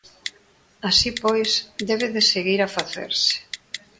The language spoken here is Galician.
Así pois, debe de seguir a facerse.